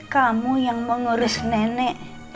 kamu yang mengurus nenek